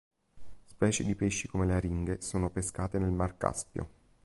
Specie di pesci come le aringhe sono pescate nel Mar Caspio.